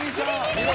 見事。